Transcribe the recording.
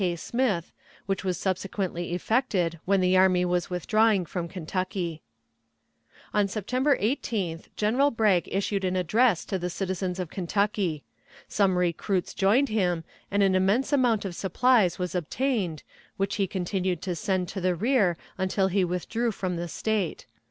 K. Smith, which was subsequently effected when the army was withdrawing from Kentucky. On September 18th General Bragg issued an address to the citizens of Kentucky. Some recruits joined him, and an immense amount of supplies was obtained, which he continued to send to the rear until he withdrew from the State.